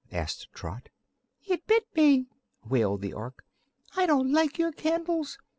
asked Trot. "It bit me!" wailed the Ork. "I don't like your candles.